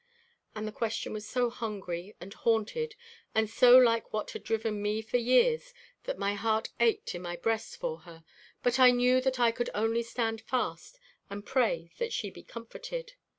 And the question was so hungry and haunted and so like what had driven me for years that my heart ached in my breast for her, but I knew that I could only stand fast and pray that she be comforted.